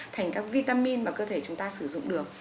thành các vitamin mà cơ thể chúng ta sử dụng được